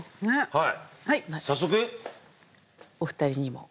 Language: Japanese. はい。